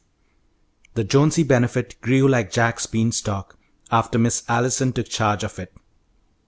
The Jonesy Benefit grew like Jack's bean stalk after Miss Allison took charge of it.